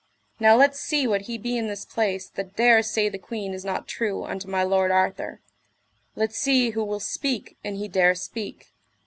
Now let see what he be in this place that dare say the queen is not true unto my lord Arthur, let see who will speak an he dare speak.